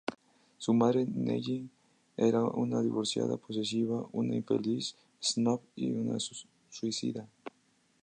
Su madre, Nellie, era una divorciada posesiva, una infeliz "snob" y una suicida".